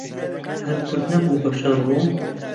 هەر کورد نەبوو بەشەر بوو